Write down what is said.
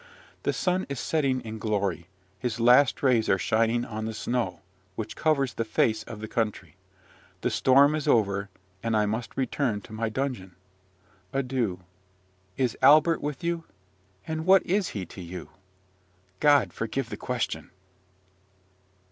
The sun is setting in glory; his last rays are shining on the snow, which covers the face of the country: the storm is over, and I must return to my dungeon. Adieu! Is Albert with you? and what is he to you? God forgive the question.